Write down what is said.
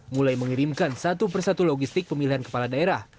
mulai mengirimkan satu persatu logistik pemilihan kepala daerah